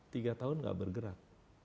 tiga tahun gak bergerak